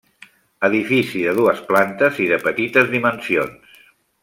Edifici de dues plantes i de petites dimensions.